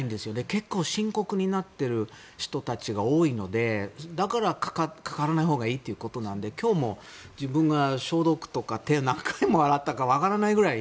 結構、深刻になっている人たちが多いのでだから、かからないほうがいいってことなので今日も自分、消毒とか手を何回を洗ったかわからないぐらい。